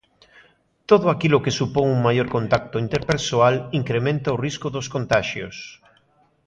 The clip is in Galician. Todo aquilo que supón un maior contacto interpersoal incrementa o risco dos contaxios.